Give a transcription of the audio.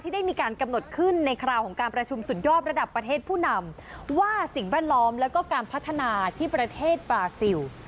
ได้มีการกำหนดขึ้นในคราวของการประชุมสุดยอดระดับประเทศผู้นำว่าสิ่งแวดล้อมแล้วก็การพัฒนาที่ประเทศบราซิล